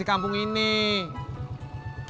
aku mau ke kantor